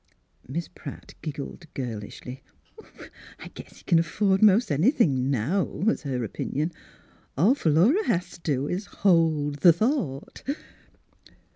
Miss Pratt giggled girlishly. " Oh, I guess he c'n afford most any thin' now," was her opinion. " All Phi lura has t' do is ' t' hold the thought.'